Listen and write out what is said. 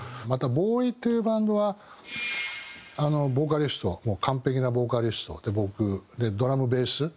またＢＯＷＹっていうバンドはボーカリストはもう完璧なボーカリスト。で僕ドラムベース。